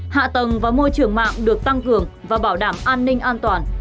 hạ tầng và môi trường mạng được tăng cường và bảo đảm an ninh an toàn